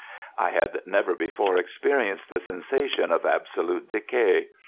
I had never before experienced the sensation of absolute decay.